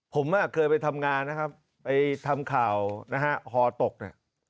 ผมเกิดไปทำงานนะครับไปทำข่าวฮอตกนี่